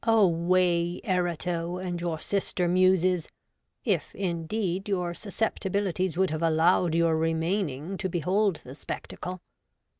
Away Erato and your sister Muses — if, indeed, your sus ceptibilities would have allowed your remaining to behold the spectacle!